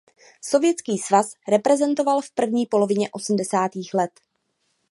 Sovětský svaz reprezentoval v první polovině osmdesátých let.